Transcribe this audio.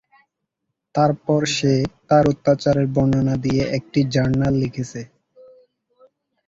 তারপর সে তার অত্যাচারের বর্ণনা দিয়ে একটি জার্নাল লিখেছে।